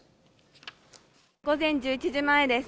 午前１１時前です。